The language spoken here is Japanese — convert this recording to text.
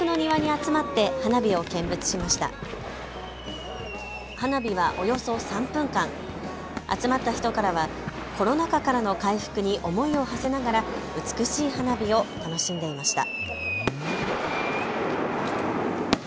集まった人はコロナ禍からの回復に思いをはせながら美しい花火を楽しんでいました。